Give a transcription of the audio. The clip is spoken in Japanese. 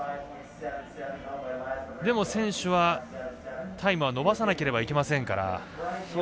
でも、選手はタイムは伸ばさなければいけませんから。